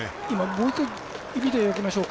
もう一回見ておきましょう。